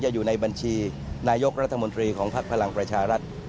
อยู่ในบัญชีนายกรัฐมนตรีของภักดิ์พลังประชารัฐ